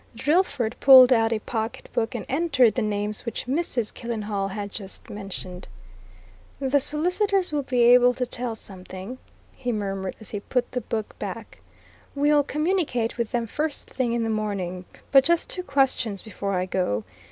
Drillford pulled out a pocketbook and entered the names which Mrs. Killenhall had just mentioned. "The solicitors will be able to tell something," he murmured as he put the book back. "We'll communicate with them first thing in the morning. But just two questions before I go.